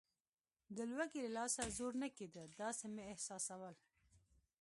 د لوږې له لاسه زور نه کېده، داسې مې احساسول.